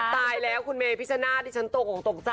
ตายแล้วคุณเมภิชชะนาธฉันโตตกตกใจ